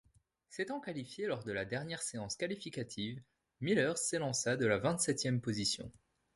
S'étant qualifié lors de la dernière séance qualificative, Miller s'élança de la vingt-septième position.